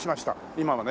今はね